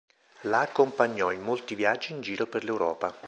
La accompagnò in molti viaggi in giro per l'Europa.